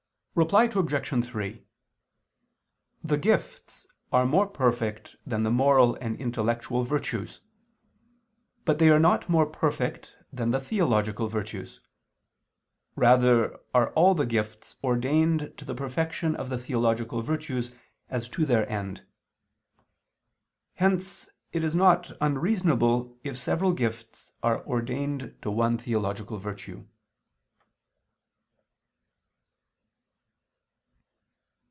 Reply Obj. 3: The gifts are more perfect than the moral and intellectual virtues; but they are not more perfect than the theological virtues; rather are all the gifts ordained to the perfection of the theological virtues, as to their end. Hence it is not unreasonable if several gifts are ordained to one theological virtue.